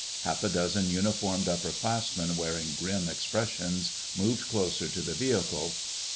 Half a dozen uniformed upperclassmen wearing grim expressions moved closer to the vehicle.